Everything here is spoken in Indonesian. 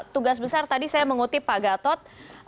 tugas besar tadi saya mengutip pak gatot